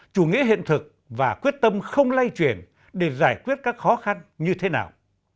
chủ nghĩa hiện thực và quyết tâm không lay chuyển để giải quyết các khó khăn như thế nào